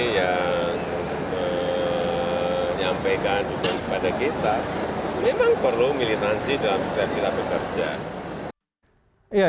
yang menyampaikan dukungan kepada kita memang perlu militansi dalam setiap kita bekerja